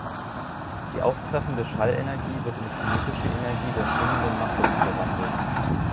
Die auftreffende Schallenergie wird in kinetische Energie der schwingenden Masse umgewandelt.